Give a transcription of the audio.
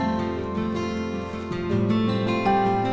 saya harus ugutin dia